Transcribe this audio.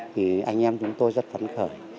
thì anh em chúng tôi rất phấn khởi